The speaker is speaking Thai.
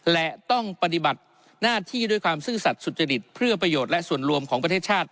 และต้องปฏิบัติหน้าที่ด้วยความซื่อสัตว์สุจริตเพื่อประโยชน์และส่วนรวมของประเทศชาติ